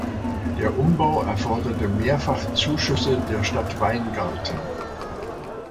Der Umbau erforderte mehrfach Zuschüsse der Stadt Weingarten.